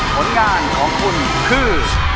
ผลงานของคุณคือ